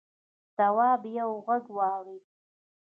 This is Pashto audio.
تواب یوه غږ واورېد.